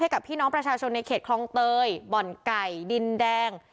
กับพี่น้องประชาชนในเขตคลองเตยบ่อนไก่ดินแดง